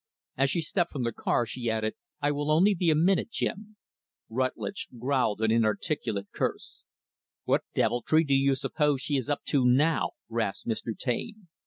As she stepped from the car, she added, "I will only be a minute, Jim." Rutlidge growled an inarticulate curse. "What deviltry do you suppose she is up to now," rasped Mr. Taine.